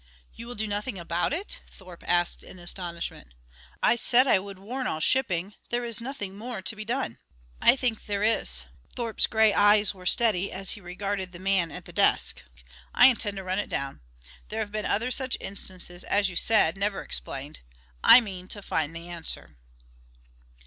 "You will do nothing about it?" Thorpe asked in astonishment. "I said I would warn all shipping; there is nothing more to be done." "I think there is." Thorpe's gray eye were steady as he regarded the man at the desk. "I intend to run it down. There have been other such instances, as you said never explained. I mean to find the answer."